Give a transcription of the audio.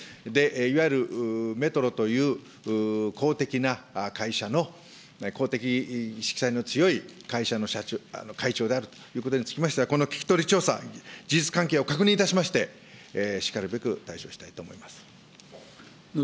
いわゆる、メトロという公的な会社の公的色彩の強い会社の会長であるということにつきましては、この聞き取り調査、事実関係を確認いたしまして、しかるべき対処したいと思います。